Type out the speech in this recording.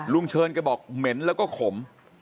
ลุงเชิญเขาบอกเหม็นเราก็ขม